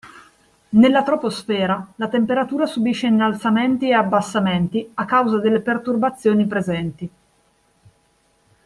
Nella troposfera la temperatura subisce innalzamenti e abbassamenti a causa delle perturbazioni presenti.